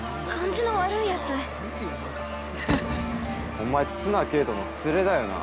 ◆お前、綱啓永の連れだよな？